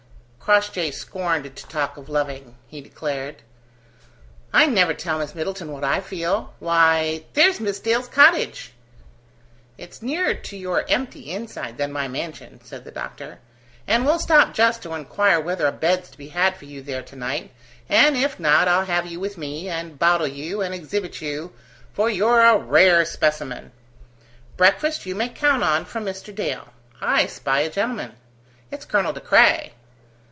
Crossjay scorned to talk of loving, he declared. "I never tell Miss Middleton what I feel. Why, there's Miss Dale's cottage!" "It's nearer to your empty inside than my mansion," said the doctor, "and we'll stop just to inquire whether a bed's to be had for you there to night, and if not, I'll have you with me, and bottle you, and exhibit you, for you're a rare specimen. Breakfast you may count on from Mr. Dale. I spy a gentleman." "It's Colonel De Craye."